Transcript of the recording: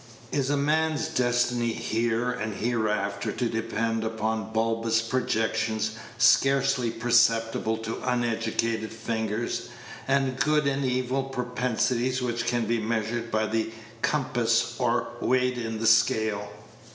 Is a man's destiny here and hereafter to depend upon bulbous projections scarcely perceptible to uneducated fingers, and good and evil propensities which can be measured by the compass or weighed in the scale?